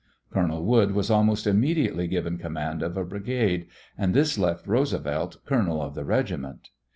Colonel Wood was almost immediately given command of a brigade, and this left Roosevelt colonel of the regiment.